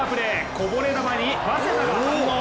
こぼれ球に早稲田が反応。